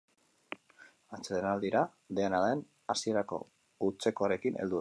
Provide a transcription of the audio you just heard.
Atsedenaldira, dena den, hasierako hutsekoarekin heldu da.